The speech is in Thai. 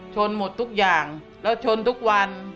หมดทุกอย่างแล้วชนทุกวัน